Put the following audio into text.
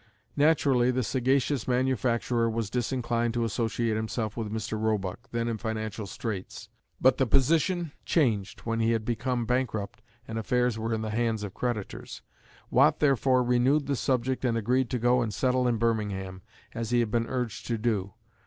Naturally the sagacious manufacturer was disinclined to associate himself with Mr. Roebuck, then in financial straits, but the position changed when he had become bankrupt and affairs were in the hands of creditors. Watt therefore renewed the subject and agreed to go and settle in Birmingham, as he had been urged to do.